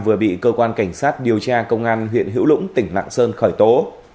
vừa bị cơ quan cảnh sát điều tra công an huyện hữu lũng tỉnh lạng sơn khởi tố